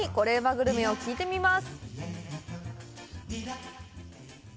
グルメを聞いてみます